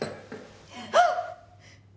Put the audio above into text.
あっ！